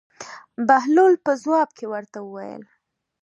بهلول په ځواب کې ورته وایي.